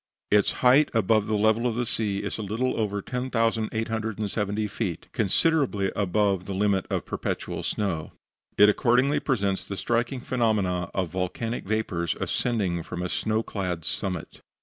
Its height above the level of the sea is a little over 10,870 feet, considerably above the limit of perpetual snow. It accordingly presents the striking phenomenon of volcanic vapors ascending from a snow clad summit.